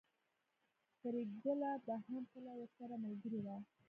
پريګله به هم کله ورسره ملګرې وه